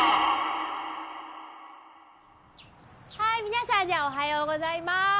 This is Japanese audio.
はい皆さんじゃあおはようございます。